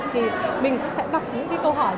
thì mình sẽ đặt những cái câu hỏi